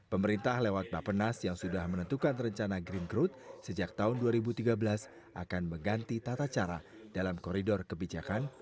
pemerintah lewat bapenas yang sudah menentukan rencana green growth sejak tahun dua ribu tiga belas akan mengganti tata cara dalam koridor kebijakan